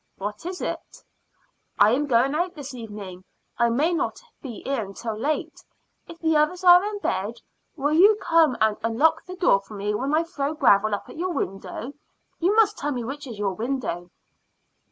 "What is it?" "I am going out this evening. I may not be in until late. If the others are in bed, will you come and unlock the door for me when I throw gravel up at your window? You must tell me which is your window."